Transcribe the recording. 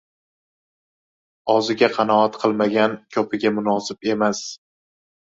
• Oziga qanoat qilmagan ko‘piga munosib emas.